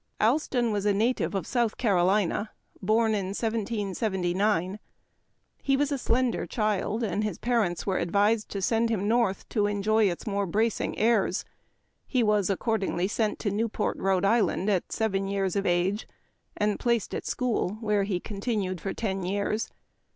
Allston was a native of South Carolina, born in 1779. He was a slender child, and his parents were advised to send him North to enjoy its more bracing airs. He was, accordingly sent to Newport, R. I., at seven years of age, and placed at school, where he continued for ten years.